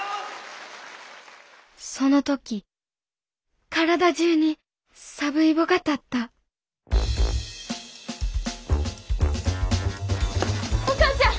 その時体中にサブイボが立ったお母ちゃん！